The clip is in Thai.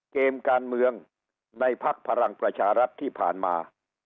เกมการเมืองในภักดิ์พลังประชารัฐที่ผ่านมา